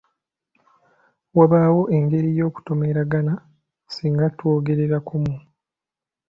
Wabaawo engeri y'okutomeragana singa twogerera kumu.